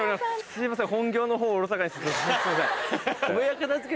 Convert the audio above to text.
すいません。